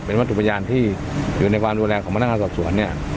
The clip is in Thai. เป็นวัตถุบิญญาณที่อยู่ในการดูแลของมนักงานสวัสดิ์สวนเนี่ย